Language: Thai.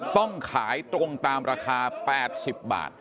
ต้องขายตรงตามราคา๘๐บาท